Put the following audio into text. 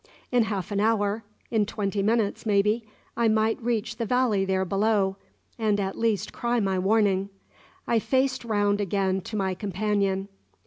In half an hour in twenty minutes, maybe I might reach the valley there below, and at least cry my warning. I faced round again to my companion.